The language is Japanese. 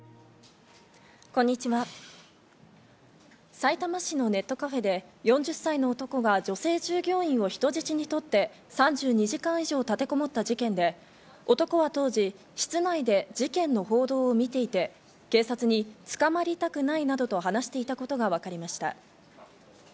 さいたま市のネットカフェで４０歳の男が女性従業員を人質にとって３２時間以上立てこもった事件で、男は当時、室内で事件の報道を見ていて、警察に捕まりたくないなどと話していたことがわかりました。